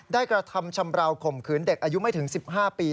กระทำชำราวข่มขืนเด็กอายุไม่ถึง๑๕ปี